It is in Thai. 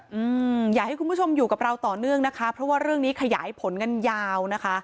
อืมอยากให้คุณผู้ชมอยู่กับเราต่อเนื่องนะคะเพราะว่าเรื่องนี้ขยายผลกันยาวนะคะ